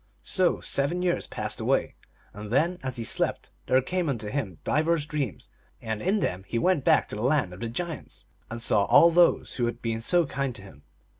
So seven years passed away, and then, as he slept, there came unto him divers dreams, and in them he went back to the Land of the Giants, and saw all those who had been so kind to him.